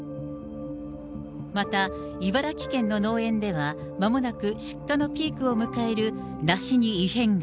また、茨城県の農園では、まもなく出荷のピークを迎える梨に異変が。